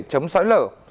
chống sỏi lở